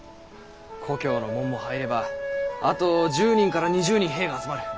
故郷の者も入ればあと１０人から２０人兵が集まる。